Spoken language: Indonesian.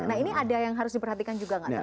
nah ini ada yang harus diperhatikan juga nggak